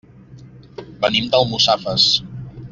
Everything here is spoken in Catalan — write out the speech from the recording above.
Venim d'Almussafes.